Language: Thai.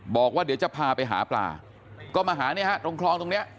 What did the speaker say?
บอกว่าเดี๋ยวจะพาไปหาปลาก็มาหาเนี่ยฮะตรงคลองตรงนี้